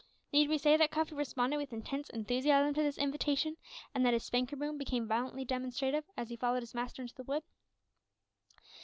Need we say that Cuffy responded with intense enthusiasm to this invitation, and that his "spanker boom" became violently demonstrative as he followed his master into the wood.